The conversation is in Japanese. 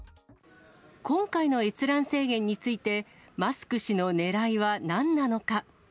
今回の閲覧制限について、マスク氏のねらいはなんなのか。